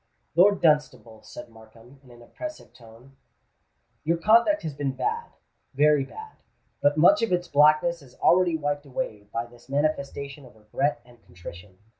"Lord Dunstable," said Markham, in an impressive tone, "your conduct has been bad—very bad; but much of its blackness is already wiped away by this manifestation of regret and contrition.